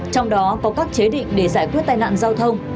trong đó có các chế định để giải quyết tai nạn giao thông